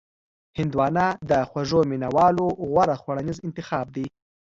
هندوانه د خوږو مینوالو غوره خوړنیز انتخاب دی.